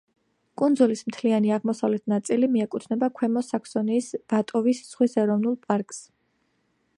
კუნძულის მთლიანი აღმოსავლეთ ნაწილი მიეკუთვნება ქვემო საქსონიის ვატოვის ზღვის ეროვნულ პარკს.